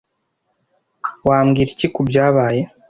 Wambwira iki kubyabaye?